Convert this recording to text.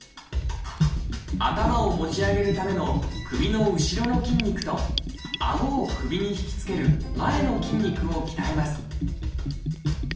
頭を持ち上げるための首の後ろの筋肉とあごを首にひきつける前の筋肉を鍛えます